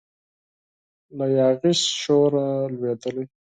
له یاغي شوره لویدلی